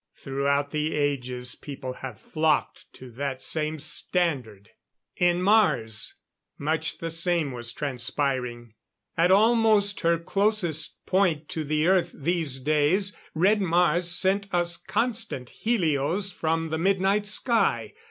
Throughout the ages people have flocked to that same standard! In Mars, much the same was transpiring. At almost her closest point to the Earth these days, Red Mars sent us constant helios from the midnight sky.